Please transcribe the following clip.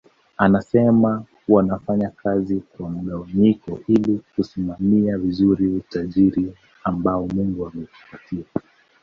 Anasema wanafanya kazi kwa mgawanyiko ili kusimamia vizuri utajiri ambao Mungu ametupatia